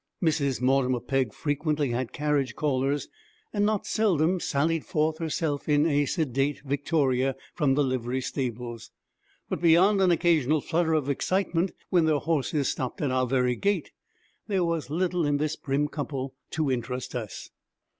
Mrs. Mortimer Pegg frequently had carriage callers, and not seldom sallied forth herself in a sedate victoria from the livery stables. But beyond an occasional flutter of excitement when their horses stopped at our very gate, there was little in this prim couple to interest us.